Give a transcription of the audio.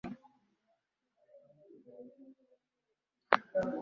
Iyi ni…